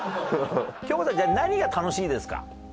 京子さんじゃあ何が楽しいですか？